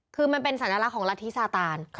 คือมันเป็นสัญลักษณ์ของรัฐธิซาตาน